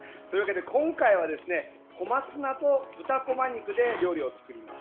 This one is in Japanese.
今回は小松菜と豚こま肉で料理を作ります。